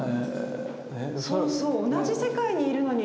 そうそう同じ世界にいるのに。